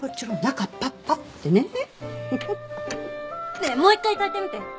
ねえもう一回炊いてみて！